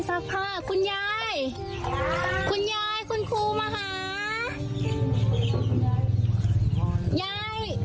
ย่ายหลานร้านจำเองทุกวันเลยเหรอ